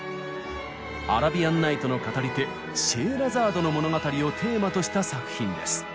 アラビアンナイトの語り手シェエラザードの物語をテーマとした作品です。